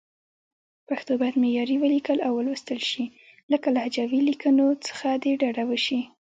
پښتو باید معیاري ولیکل او ولوستل شي، له لهجوي لیکنو څخه دې ډډه وشي.